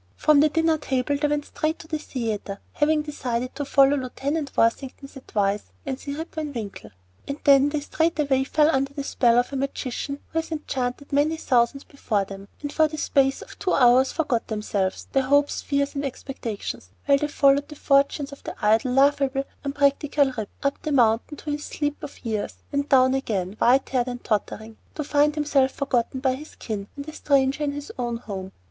From the dinner table they went straight to the theatre, having decided to follow Lieut. Worthington's advice and see "Rip Van Winkle." And then they straightway fell under the spell of a magician who has enchanted many thousands before them, and for the space of two hours forgot themselves, their hopes and fears and expectations, while they followed the fortunes of the idle, lovable, unpractical Rip, up the mountain to his sleep of years, and down again, white haired and tottering, to find himself forgotten by his kin and a stranger in his own home.